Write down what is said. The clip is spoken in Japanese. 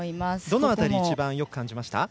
どの辺りが一番よく感じましたか。